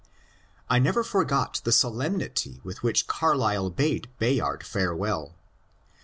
I never forgot the solemnity with which Carlyle bade Bay ard farewell.